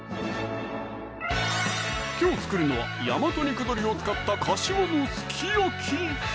きょう作るのは大和肉鶏を使った「かしわのすき焼き」